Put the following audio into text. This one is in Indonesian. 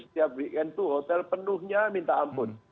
setiap weekend itu hotel penuhnya minta ampun